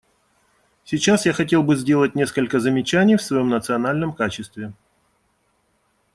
Сейчас я хотел бы сделать несколько замечаний в своем национальном качестве.